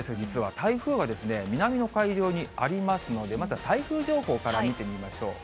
台風が南の海上にありますので、まずは台風情報から見てみましょう。